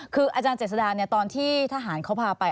คืออาจารย์เจษดาตอนที่ทหารเขาพาไป